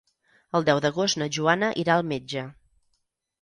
El deu d'agost na Joana irà al metge.